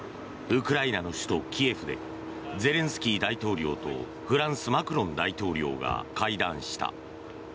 ウクライナの首都キエフでゼレンスキー大統領とフランス、マクロン大統領が会談した。